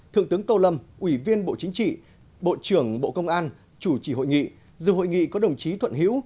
thượng tướng tô lâm ủy viên bộ chính trị bộ trưởng bộ công an chủ trì hội nghị dự hội nghị có đồng chí thuận hữu